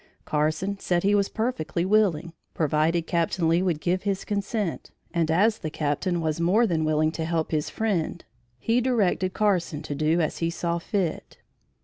Carson said he was perfectly willing, provided Captain Lee would give his consent, and as the Captain was more willing to help his friend, he directed Carson to do as he saw fit.